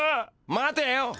待てよ！